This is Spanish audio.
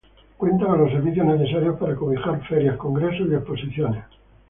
Cuenta con los servicios necesarios para cobijar Ferias, Congresos y Exposiciones.